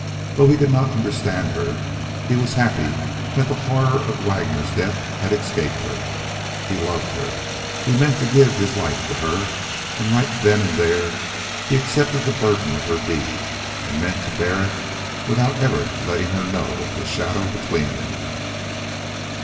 Though he could not understand her, he was happy that the horror of Waggoner's death had escaped her. He loved her, he meant to give his life to her, and right then and there he accepted the burden of her deed and meant to bear it without ever letting her know of the shadow between them.